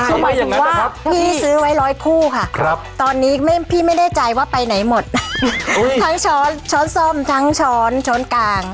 คือหมายถึงว่าพี่ซื้อไว้ร้อยคู่ค่ะตอนนี้พี่ไม่แน่ใจว่าไปไหนหมดทั้งช้อนช้อนส้มทั้งช้อนช้อนกลาง